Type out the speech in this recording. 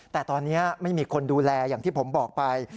แต่ตอนนี้ไม่มีคนดูแลอย่างที่ผมบอกไป